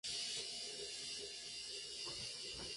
Durante su arresto, cuestionó al oficial su detención.